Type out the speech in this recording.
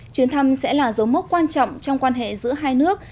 chuyến thăm sẽ là dấu mốc quan trọng trong quan hệ giữa hai nước